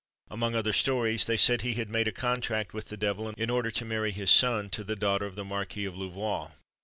Among other stories, they said he had made a contract with the devil, in order to marry his son to the daughter of the Marquis of Louvois.